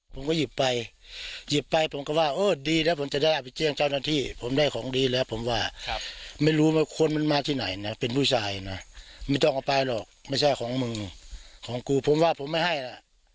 ผมก็หยิบไปหยิบไปผมก็ว่าเออดีแล้วผมจะได้เอาไปแจ้งเจ้าหน้าที่ผมได้ของดีแล้วผมว่าไม่รู้ว่าคนมันมาที่ไหนนะเป็นผู้ชายนะไม่ต้องเอาไปหรอกไม่ใช่ของมึงของกูผมว่าผมไม่ให้ล่ะ